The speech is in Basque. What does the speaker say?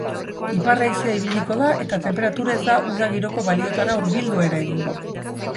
Ipar-haizea ibiliko da eta tenperatura ez da uda giroko balioetara hurbildu ere egingo.